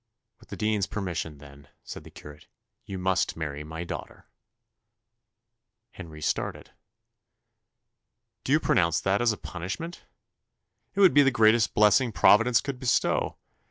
"With the dean's permission, then," said the curate, "you must marry my daughter." Henry started "Do you pronounce that as a punishment? It would be the greatest blessing Providence could bestow.